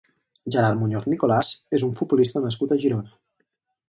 Gerard Muñoz Nicolás és un futbolista nascut a Girona.